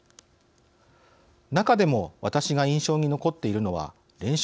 中でも、私が印象に残っているのは連勝